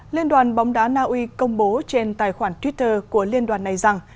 liên đoàn bóng đá naui công bố trên tài khoản twitter của liên đoàn này rằng